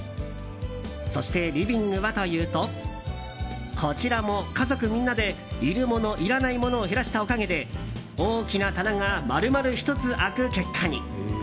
そして、リビングはというとこちらも家族みんなでいるもの、いらないものを減らしたおかげで大きな棚が丸々１つ空く結果に。